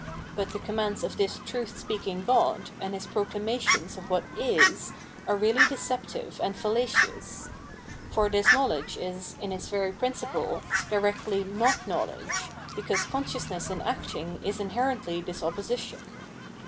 But the commands of this truth speaking god, and his proclamations of what is, are really deceptive and fallacious. For this know ledge is, in its very principle, directly mt knowledge, because consciousness in acting is inherently this opposition.